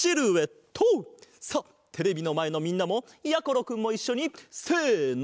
さあテレビのまえのみんなもやころくんもいっしょにせの。